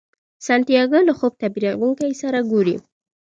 سانتیاګو له خوب تعبیرونکي سره ګوري.